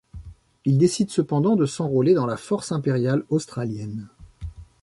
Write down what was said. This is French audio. Il décide cependant de s'enrôler dans la Force impériale australienne.